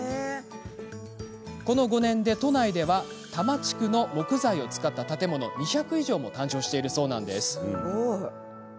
この５年間で、都内では多摩地区の木材を使った建物が２００以上も誕生しているんです。